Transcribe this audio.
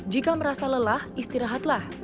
jika merasa lelah istirahatlah